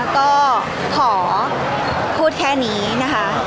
ก็ขอพูดแค่นี้นะคะ